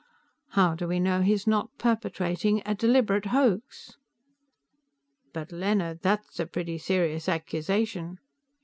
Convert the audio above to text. "How do we know he's not perpetrating a deliberate hoax?" "But, Leonard, that's a pretty serious accusation."